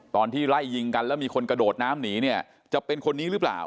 ตอนที่ไล่ยิงกันแล้วมีคนกระโดดน้ำหนีเนี่ยจะเป็นคนนี้หรือเปล่า